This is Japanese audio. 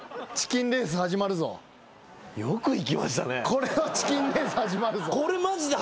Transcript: これはチキンレース始まるぞ。